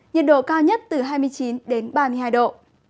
nhiệt độ cao nhất từ hai mươi chín đến ba mươi hai độ